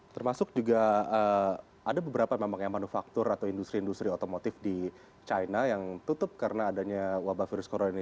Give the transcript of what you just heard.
termasuk juga ada beberapa memang yang manufaktur atau industri industri otomotif di china yang tutup karena adanya wabah virus corona ini